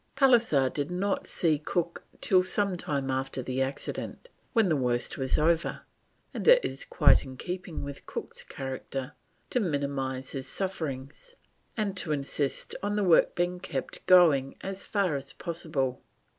Pallisser did not see Cook till some time after the accident, when the worst was over, and it is quite in keeping with Cook's character to minimise his sufferings, and to insist on the work being kept going as far as possible.